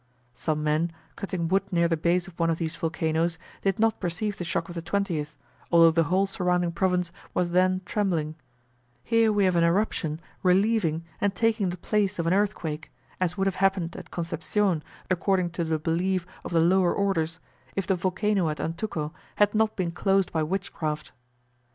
Some men, cutting wood near the base of one of these volcanos, did not perceive the shock of the 20th, although the whole surrounding Province was then trembling; here we have an eruption relieving and taking the place of an earthquake, as would have happened at Concepcion, according to the belief of the lower orders, if the volcano at Antuco had not been closed by witchcraft.